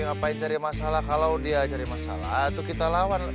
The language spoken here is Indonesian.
ngapain cari masalah kalau dia cari masalah itu kita lawan